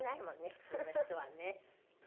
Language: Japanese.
普通の人はね。